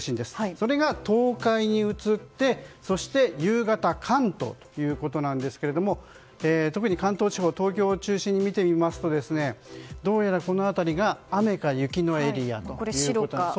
それが東海に移ってそして夕方、関東ということなんですが特に関東地方東京を中心に見てみますとどうやらこの辺りが雨か雪のエリアだと。